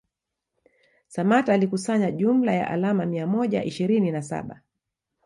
Samatta alikusanya jumla ya alama mia moja ishirini na saba